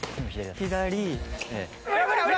左。